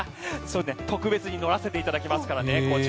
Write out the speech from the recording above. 特別に乗らせていただきますからね。